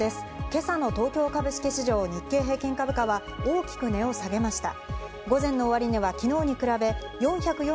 今朝の東京株式市場、日経平均株価は大きく値を下げました。